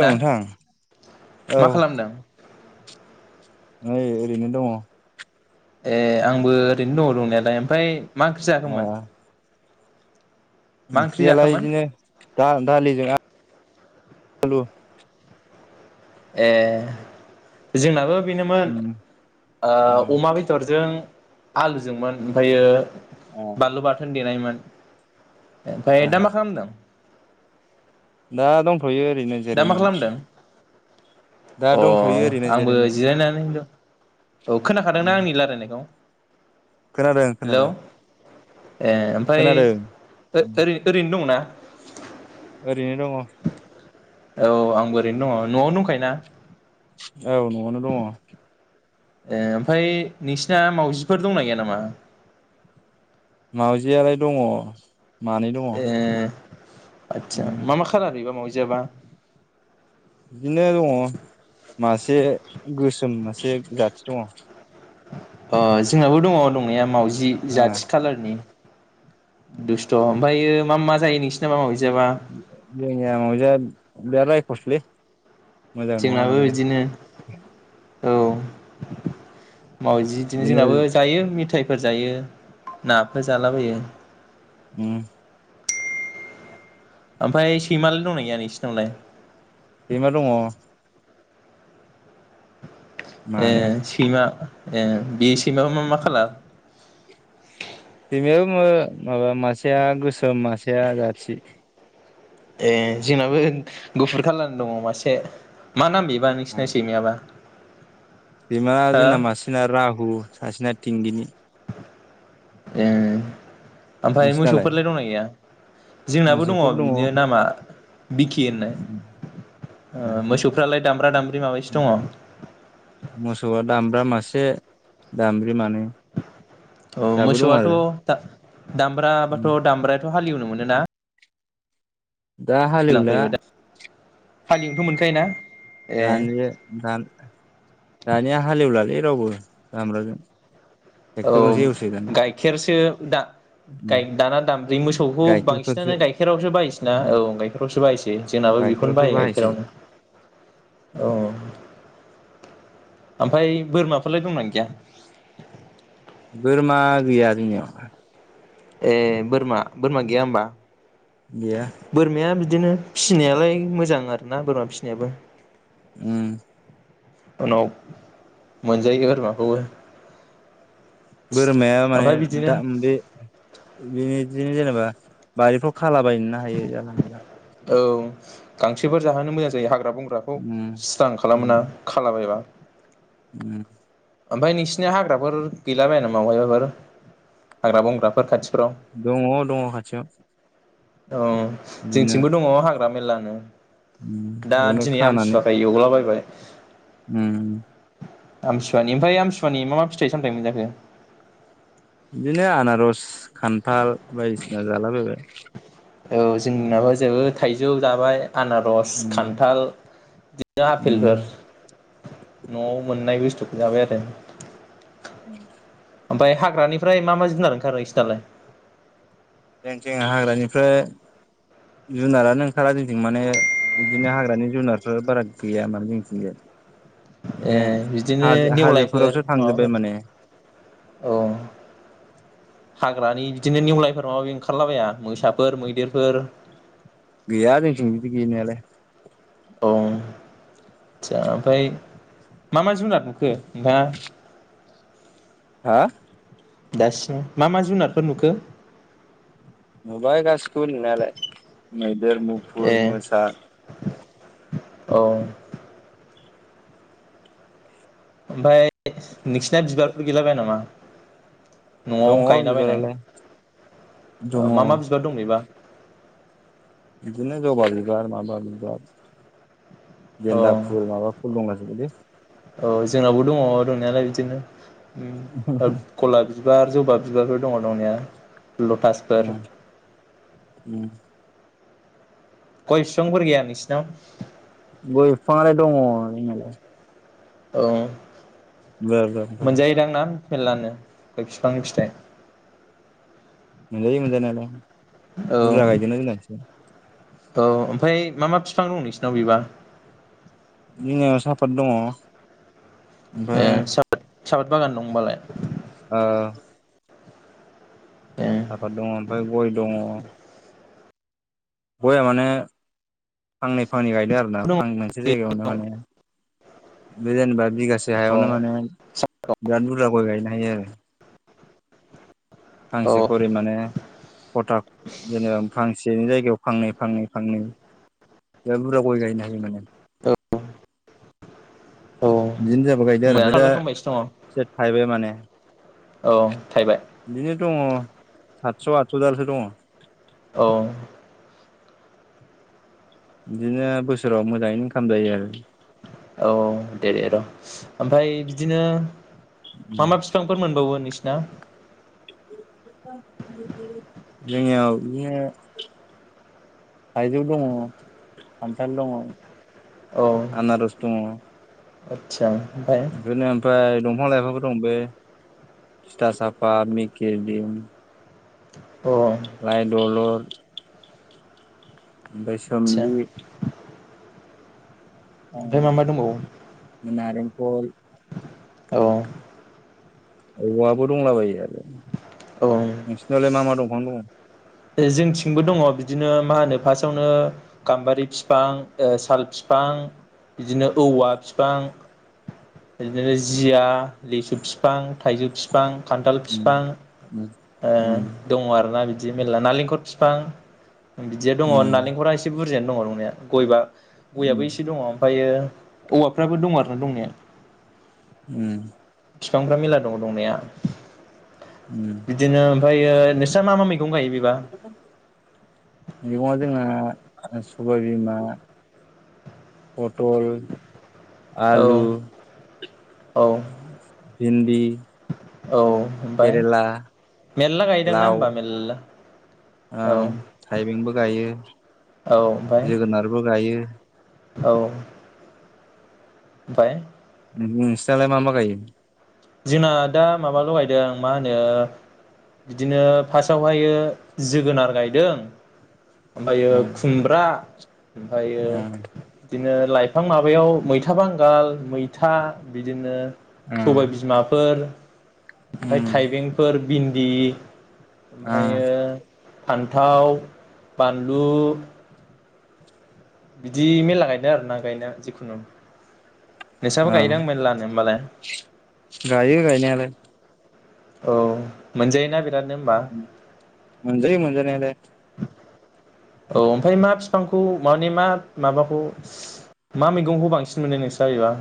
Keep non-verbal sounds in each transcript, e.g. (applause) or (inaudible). औ नोंथां औ मा खालामदों ओइ ओरैनो दङ ए आंबो ओरैनो दङ दंनायालाय ओमफाय मा ओंख्रि दा जाखोमोन मा ओंख्रि ओंख्रियालाय जाखोमोन बिदिनो दा दालिजों आलु ए जोंनाबो बेनोमोन उम ओ अमा बेदरजों आलुजोंमोन ओमफायो ओ बानलु बाथोन देनाइमोन ओमफाय दा मा खालामदों दा दंथ' दा मा खालामदों दा अ दंथ'यो ओरैनो आंबो जिरायनानै दं औ खोनाखादोंना उम आंनि लारायनायखौ खोनादों खोनादों ए ओमफ्राय खोनादों ओ-ओरै ओरैनो दंना ओरैनो दङ। औ आंबो ओरैनो दङ नआव दंखायो ना? औ नआवनो दङ। ए ओमफाय नोंसिना मावाजिफोर दंना गैया नामा? मावजियालाय दङ। मानै दङ। ए आदसा मा मा खालार बेबा मावजि जियाबा बिदिनो दङ मासे गोसोम मोसे जाथि दङ। अ जोंहाबो दङ दंनाया मावाजि जि जाथि खालारनि दुस्थ ओमफायो मा मा जायो नोंसिना मा मावजि जोंनिया मावजिया बेराद रायखसलै मोजां नङा जोंनाबो माने बिदिनो औ मावजि इदिनो बिदिनो जोंनाबो जायो मेथाइ जायो नाफोर जालाबायो ओम ओमफाय सैमालाय दंना गैया नोंसिनावलाय? सैमा दङ। ए मानै सैमा ए बे सैमायाबो मा मा खालार बे बुङो माबा मासेया गोसोम मासेया जाथि ए जोंनाबो गुफुर खालार दङ मासे मा नाम बे बा नोंसिना सैमायाबा? बिमा हो जोंना मासेना राहु सासेना थिंगिनि ए ओमफ्राय नोंसिनालाय मोसौफोरलाय दंना गैया? जोंनाबो दङ बिदिनो नामा। बिखि होननाय ओ मोसौफ्रालाय दामब्रा दामब्रि माबेसो दङ? से दामब्रि मानै। औ फिसाबो दं मोसौआथ' आरो दा-दामब्राबाथ' दामब्रा हालेवनो मोनो ना? दा हालेउला। फैबाय दा हालेवनोथ' मोनखायो ना? दानिया दानि दानिया हालेवलालै। रावबो दामब्राजों। औ ट्रेक्टरजोंसो एवसै दाना गाइखेरसो दा गाय दाना दामब्रि मोसौखौ गाइखेरफोरसो बांसिनानो गाइखेरावसो बाहायसै ना औ गाइखेरावसो बाहायसै जोंनाबो बेखौनो गाइखेरावसो बाहायो बाहायसै गाइखेरावनो औ। ओमफ्राय बोरमाफोरलाय दंना गैया? बोरमा गैया जोंनियाव। ए बोरमा बोरमा गैया होमबा? गैया बोरमाया बि दिनो फिसिनायालाय मोजां आरो ना बोरमा फिनायाबो। ओम। उनाव मोनजायो बोरमाखौबो बोरमाया माने ओमफ्राय बिदिनो दा बे बि दिनो जेनेबा बारिफ्राव खालाबायनोनो हायो जानला मोनला औ गांसोफोर जाहोनो मोजां जायो हा ग्रा बंग्राखौ उम स्रां खालाम उम ना खालाबायबा। उम ओमफ्राय नोंसिनिया हाग्राफोर गैलाबायानो बहायबाफोर हाग्रा बंग्राफोर खाथि दङ दङ खाथियाव। औ बिदिनो जोंथिंबो दङ हाग्रा मेलला। ओ उम दा बेयावनो दिनै खानानै आमतिसुवाखाय एवलाबायबाय उम आमथिसुवानि ओमफ्राय आमसुवानि मा मा फिथाइ सामथायाइ मोनजाखो? बिदिनो आनारस खान्थाल बायदिसिना जालाबायबाय। औ जोंनाबा जोबो थाइजौ जाबाय। आनारस उम खान्थाल बिदिनो उम आफेलफोर न'आव मोननाय बुस्थु जाबाय आरो। ओं । ओमफफ्राय हाग्रानिफ्राय मा मा जुनार ओंखारो बिसोरनालाय? जोंनिथिं हाग्रानिफ्राय जुनारानो ओंखारा जोंथिं माने बिदिनो हाग्रानि जुनारफोर बारा गैया माने जोंथिंजाय। ए बेखाय बिदिनो हाजो नेवलायफोर हाजोफोरावसो थांजोब्बाय माने माबाफोर औ हाग्रानि बिदिनो नेउलायफोर माबा माबि ओंखारलाबाया मोसाफोर, मैदेरफोर? गैया जोंनिथिं बिदि गैनायालाय। औ आससा ओमफाय मा मा जुनार नुखो नोंथाङा? हा दासिम मा मा जुनारफोर नुखो? नुबाय गासैखौबो नुनायालाय मै देर, ए मुफुर, मोसा औ ओमफाय नोंसिना बिबारफोर गैलाबाया नामा? दङ न'आव गायला बायनाय बिबारालाय दङ ओ मा मा बिबार दं बेबा? इदिनो जबा बिबार माबा बिबार। गेन्दा औ फुल माबा फुल दंला जोबोलै। औ जोंनावबो दङ' दंनायालाय बिदिनो। उम गला बि बार जबा बिबारफोर दङ' दंनाया। लटासफोर उम उम गयबिफांफोर गैया नोंसिनाव? गय फिफाङालाय दङ' दंनायालाय। औ (unintelligible) मेल्लानो गय फिफांनि फिथाइ । मोनजायो मोनजानायालाय औ बुरजा गायदोना जोंना औ ओमफ्राय मा मा फिफां दं नोंसिनाव बेबा? बिनि उनाव साफात दङ'। ओमफाय सापाद बागान दं। होनबालाय ओ ए साफाद दङ' ओमफाय गय दङ'। गया माने फांनै फांनै गायदों आरो ना। दङ आं मोनसे औ जायगायावनो माने। बे जेनेबा बिगासे हायावनो माने बिराद बुरजा गय गायो ना हायो आरो औ फांसे खरि माने खथा जेनेबा फांसेनि जायगायाव फांनै फांनै फांनै जा बुरजा गय गायनो हायो माने। औ बिदिनो जाबो गायदो आरो ओमफाय मोजाङानो दा लायफांबायसो दङ एसे थाइबाय माने औ थायबाय बिदिनो दङ सातस' आतस' दालसो दङ। औ। बिदिनो बोसोराव मोजाङै इनकाम जायो आरो। औ औ दे दे र' ओमफ्राय बिदिनो। मा मा बिफांफोर मोनबावगोन? नोंसिना? जोंनियाव बिदिनो थाइजौ दङ खान्थाल दङ। औ। दङ'। आदसा । बिदिनो ओफाय फां लायफांबो दं बे थिथासाफा मेकि (unintelligible) अ। दलर। ओमफाय आदसा सोमलि। ओमफ्राय मा मा दंबावो अ नारें। कल। औ। औवाबो दंलाबायो आरो। औ औ। नोङालाय मा मा दंफां दङ। जोंथिंबो दङ बिदिनो मा होनो फार्स्टावनो गाम्बारि फिफां ओ साल फिफां बिदिनो औवा फिफां बिदिनो जिया लिसु फिफां थाइजौ फि फिफां खान्थाल उम फिफां उम ओ उम दङ आरोना बि मेरला नालेंखर फिफां बिदिया दङ उम नारेंखला एसे बुरजायानो दङ दंनाया गय बा गयाबो उम इसे दङ ओमफ्रायो औवाफ्राबो दं आरो ना दंनाया ओम फिफांफ्रा मेरला दङ दंनाया उम बिदिनो फ्रायो नोंस्रा मा मा मै गं गायो बे मेगङा जोंहा आरो सबाय बिमा पटल औ आलु औ भिन्दी औ ओमफाय मेरला गायदोंना होमबा मेलला ओं थाइबेंबो गायो औ ओमफ्राय जोगोनारबो गायो औ ओमफाय नों-नोंसिनालाय मा मा गायो जोंना दा माबाल' गायदों आ मा होनो बिदिनो फास्टावहायो जोगोनार गायदों ओमफायो उम खुमब्रा ओमफायो उम बिदिनो लाइफां माबायाव मैथा बांगाल मैथा बिदिनो उम फोर ओमफाय थाइबेंफोर भिन्दी उम ओमफायो फान्थाव बानलु बिदि मेरला गायदो आरो ना गायनाया जिखुनु नोंस्राबो उम गायदां मेरलानो होमबालाय गायो गायनायालाय ओव मोनजायोना बे मोनजायो मोनजानायालाय ओव ओमफाय मा फिफांखौ माने मा माबाखौ मा मैगंखौ बांसिन मोनो नोंस्रा बेबा?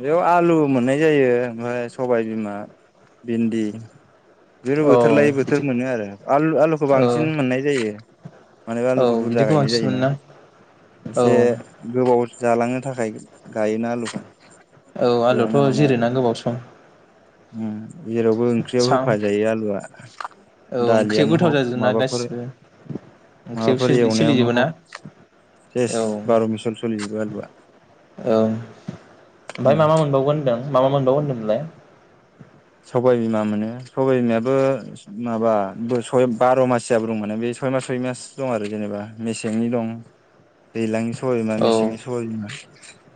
बेयाव आलु मोननाय जायो ओमफ्राय सबाय बिमा भिन्दि (unintelligible) औ बोथोर लायै बोथोर बिदि मोनो आरो आलु-आलुखौ औ बांसिन मोननाय जायो माने औ आलुखौ बुरजा बिदिखौ गायनाय बांसिन जायोना मोनोना औ एसे गोबाव जालांनो थाखाय गायोना आलुखौ ओव आलुथ' बेयावनो जिरोना गोबाव सम चम जेरावबो ओंख्रियाव सा होफाजायो आलुआ औ ओंख्रियाव दालियानो गोथाव हक जाजोबना माबाफोर गासिबो ओंख्रियाव माबाफोर एवनायावनो सोलिजोबो ना हक सेस औ बार' मिसल सोलिजोबो आलुआ। उम ओमफाय मा मा मोनबावगोन होनदों? मा मा मोनबावो होनदोंमोनलाय? सबायाइबिमा मोनो सबायबिमायाबो माबा सय बार' मासियाबो दं माने बे सय मास सय मास दं आरो जेनेबा मेसेंनि दं दैलांनि सम सबाय बिमा औ मेसेंनि सबाय बिमा।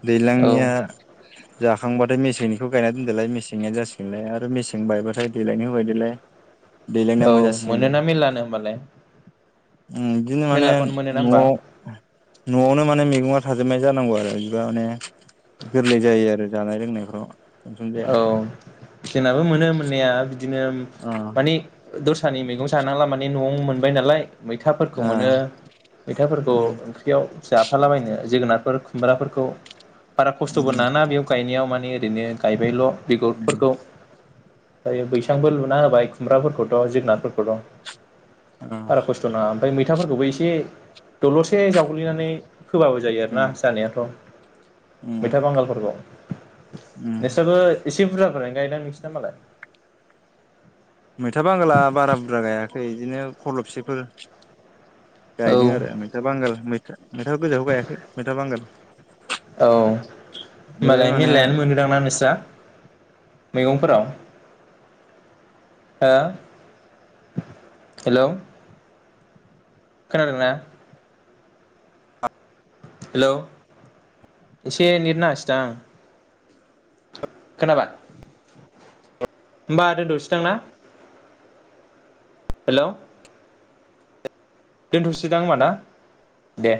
दैज्लांनिया औ जाखांबाथाय मेसेंनिखौ गायना दोनदोलाय मेसेंनिया जासि गोनलाय आरो मेसें बायबाथाय देलायनो होबाय दोलाय। दैज्लांनिया औ मोनजासिगोनलाय मोनोना मेल्लानो होमबालाय? उम बिदिनो माने मेरलाखौनो मोनोना होमबा न'आव न'आवनो माने मैगङा थाजोबनाय जानांगौ आरो बिदिबा माने गोरलै जायो आरो जानाय लोंनायफ्राव। थेनसन जाया औ जोंनाबो मोनो मोननाया दिनो अ मानि दस्रानि मैगं जानाला माने न'आवनो मोनबाय नालाय मैथाफोरखौ ओ मोनो मैथाफोरखौ उम ओंख्रियाव जाफालाबायनो जोगोनारफोर खुमब्राफोरखौ बारा खस्थ'बो उम नाङाना ओरैनो गायबायल' उम बिगुरफोरखौ दायो बैसांबो लुना होबाय खुमब्राफोरखौथ' जोगोनारफोरखौ दं‌ ओ बारा खस्थ' नङा ओमफ्राय मै थाफोरखौबो एसे दलसे जावग्लिनानै फोबाबो जायो आरो ना उम जानायाथ' उम मैथाइ बांगालफोरखौ उम नोंसोरबो एसे बुरजाफोरानो गायोदां नोंसिना मालाय मैथा बांगला बारा बुरजा गायाखै बिदिनो खरलबसेफोर औ गायदों आरो मैथा बांगाल मै मैथाखौ गोजाखौ गायाखै मैथा बांगाल औ बे होनबालाय माने मेलायानो मोनोदां ना नोंस्रा मैगंफोराव हो हेलौ खोनादोंना हेलौ एसे नेट नाङासैदां खोनाबाय होमबा आरो दोनथनिसै दांना हेल' दोनथ'सैदां होमबा ना दे